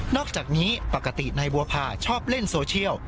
อกจากนี้ปกตินายบัวพาชอบเล่นโซเชียล